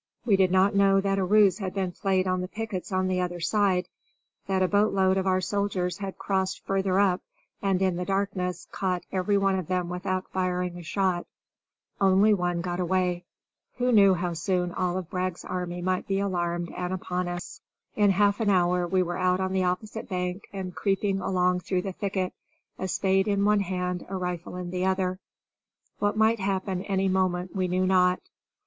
We did not know that a ruse had been played on the pickets on the other side; that a boatload of our soldiers had crossed farther up and in the darkness caught every one of them without firing a shot. One only got away. Who knew how soon all of Braggs' army might be alarmed and upon us? In half an hour we were out on the opposite bank and creeping along through the thicket, a spade in one hand a rifle in the other. What might happen any moment we knew not.